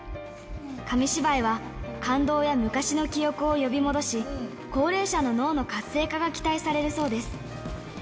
紙芝居は、感動や昔の記憶を呼び戻し、高齢者の脳の活性化が期待されるそうです。